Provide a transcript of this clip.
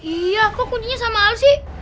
iya kok kuncinya sama alsi